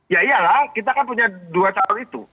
ya iyalah kita kan punya dua calon itu